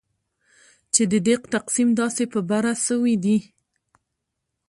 چې ددې تقسیم داسي په بره سویدي